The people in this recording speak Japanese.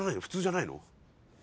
普通じゃないの？